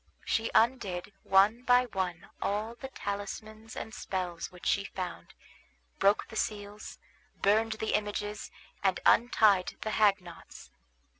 She undid one by one all the talismans and spells which she found, broke the seals, burned the images, and untied the hagknots.